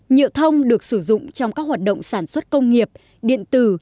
nhựa thông được sử dụng trong các hoạt động sản xuất công nghiệp điện tử